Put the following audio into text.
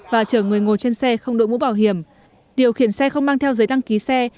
và chở người ngồi trên xe không đội mũ bảo hiểm điều khiển xe không mang theo giấy đăng ký xe